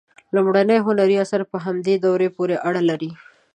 لومړني هنري آثار په همدې دورې پورې اړه لري.